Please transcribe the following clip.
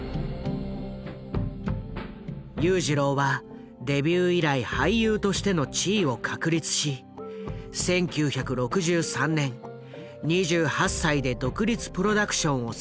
裕次郎はデビュー以来俳優としての地位を確立し１９６３年２８歳で独立プロダクションを設立する。